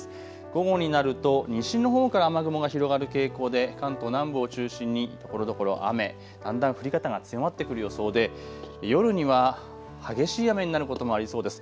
午後になると西のほうから雨雲が広がる傾向で関東南部を中心にところどころ雨、だんだん降り方が強まってくる予想で夜には激しい雨になることもありそうです。